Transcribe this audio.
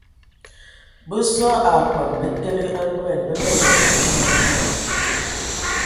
Bə soe a kpəm bətele a ndoan bə nga yanga na e man be.